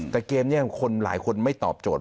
แต่เกมนี้คนหลายคนไม่ตอบโจทย